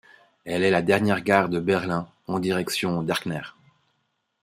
Elle est la dernière gare de Berlin en direction d'Erkner.